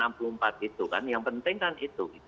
gitu kan yang penting kan itu